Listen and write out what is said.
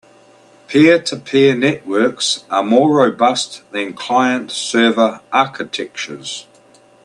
Peer-to-peer networks are more robust than client-server architectures.